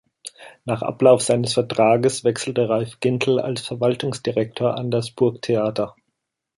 Nach Ablauf seines Vertrages wechselte Reif-Gintl als Verwaltungsdirektor an das Burgtheater.